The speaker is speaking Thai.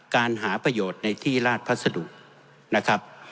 การหาประโยชน์ในที่ราชพัสดุนะครับ